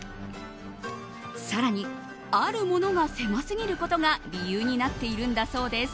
更に、あるものが狭すぎることが理由になっているんだそうです。